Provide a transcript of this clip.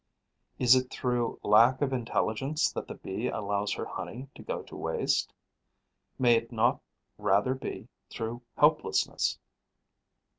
Is it through lack of intelligence that the Bee allows her honey to go to waste? May it not rather be through helplessness?